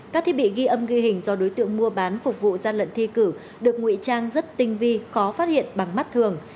các thiết bị ghi âm ghi hình do đối tượng mua bán phục vụ gian lận thi cử được ngụy trang rất tinh vi khó phát hiện bằng mắt thường